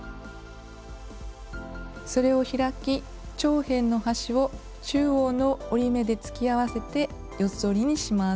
それを開き長辺の端を中央の折り目で突き合わせて四つ折りにします。